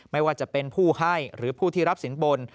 ไม่ว่าจะเป็นผู้ให้หรือผู้ที่รับสินบน